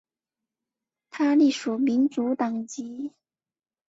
他隶属民主党籍。